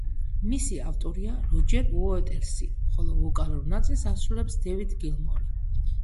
მისი ავტორია როჯერ უოტერსი, ხოლო ვოკალურ ნაწილს ასრულებს დევიდ გილმორი.